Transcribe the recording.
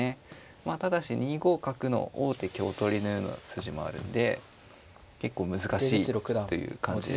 まあただし２五角の王手香取りのような筋もあるんで結構難しいという感じですね。